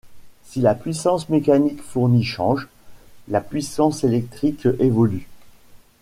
Si la puissance mécanique fournie change, la puissance électrique évolue.